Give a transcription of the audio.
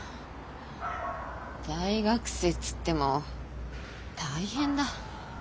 大学生っつっても大変だ。